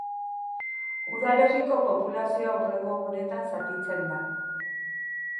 Udalerriko populazioa hurrengo gunetan zatitzen da.